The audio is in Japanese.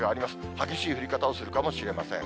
激しい降り方をするかもしれません。